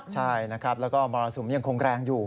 ใช่นะครับแล้วก็มรสุมยังคงแรงอยู่